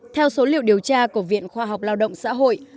theo số liệu điều tra của viện khoa học lao động xã hội